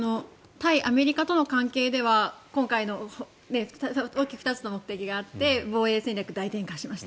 対アメリカとの関係では今回の大きく２つの問題があって防衛戦略、大転換しました。